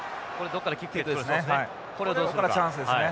ここからチャンスですね。